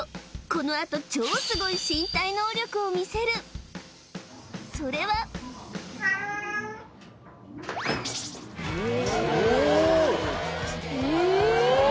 このあと超スゴい身体能力を見せるそれはおっ！